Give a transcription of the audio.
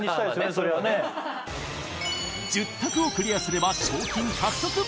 それはね１０択をクリアすれば賞金獲得！